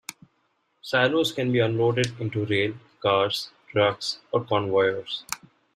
Silos can be unloaded into rail cars, trucks or conveyors.